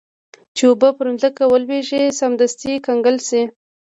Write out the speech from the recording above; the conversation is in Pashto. چې اوبه پر مځکه ولویږي سمدستي کنګل شي.